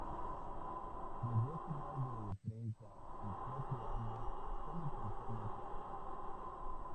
Desde hace más de treinta y cuatro años sale con Tony Watts.